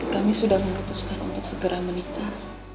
kami sudah memutuskan untuk segera menikah